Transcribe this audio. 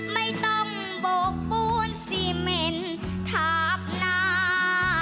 ไม่ต้องโบกปูนซีเมนถาบหน้า